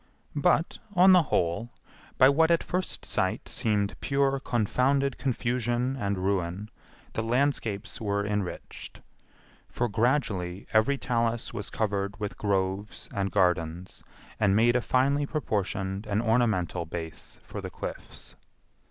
But, on the whole, by what at first sight seemed pure confounded confusion and ruin, the landscapes were enriched; for gradually every talus was covered with groves and gardens, and made a finely proportioned and ornamental base for the cliffs.